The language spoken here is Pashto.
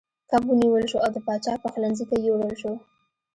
کب ونیول شو او د پاچا پخلنځي ته یووړل شو.